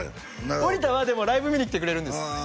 折田はでもライブ見に来てくれるんです